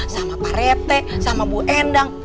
sama pak rete sama bu endang